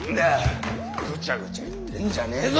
ぐちゃぐちゃ言ってんじゃねーぞ